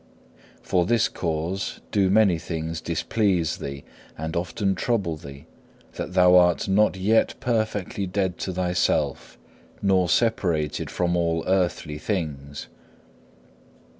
For this cause do many things displease thee and often trouble thee, that thou art not yet perfectly dead to thyself nor separated from all earthly things.